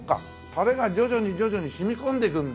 タレが徐々に徐々に染み込んでいくんだ。